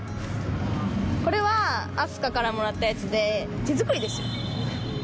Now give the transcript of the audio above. これは明日香からもらったやつで、手作りですよ。